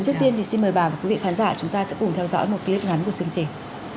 trước tiên thì xin mời bà và quý vị khán giả chúng ta sẽ cùng theo dõi một clip ngắn của chương trình